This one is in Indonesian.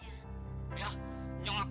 ya nyongakukan tuh syaratnya apa pun mbak